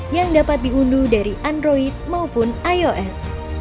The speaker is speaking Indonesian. yang dapat diunduh dari android maupun ios